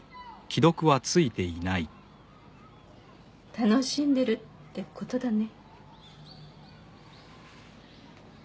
楽しんでるってことだね